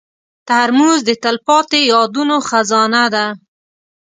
ترموز د تلپاتې یادونو خزانه ده.